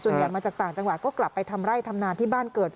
มาจากต่างจังหวัดก็กลับไปทำไร่ทำนาที่บ้านเกิด